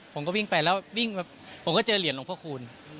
ผมก็วิ่งไปแล้วผมก็เจอเหรียญหลวงพระคุณ